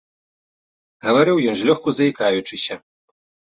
Гаварыў ён злёгку заікаючыся.